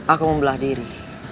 aku membelah diri